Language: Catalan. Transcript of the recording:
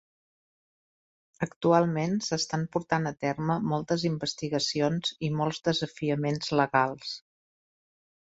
Actualment s"estan portant a terme moltes investigacions i molts desafiaments legals.